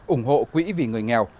ủng hộ quỹ vì người nghèo